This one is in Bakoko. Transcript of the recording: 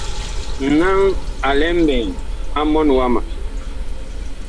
Naŋ a lɛ mɓɛɛŋ mɔɔn wama.